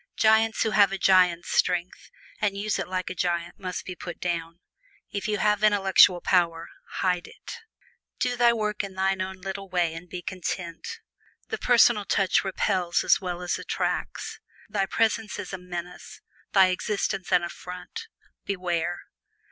Giants who have a giant's strength and use it like a giant must be put down. If you have intellectual power, hide it! Do thy daily work in thine own little way and be content. The personal touch repels as well as attracts. Thy presence is a menace thy existence an affront beware!